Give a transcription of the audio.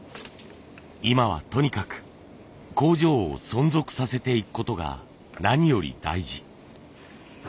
今はとにかく工場を存続させていくことが何より大事。